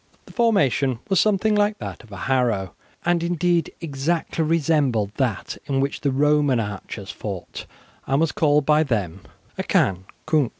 The formation was something like that of a harrow, and, indeed, exactly resembled that in which the Roman archers fought, and was called by them a quincunx.